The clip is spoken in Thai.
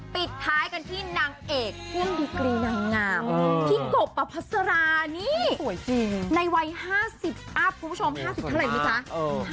ปิดท้ายกันที่นางเอกหุ่นดีกรียางงามพี่โกบปะพัสรานี่ในวัย๕๐อัพคุณผู้ชม๕๐เท่าไหร่มั้ยคะ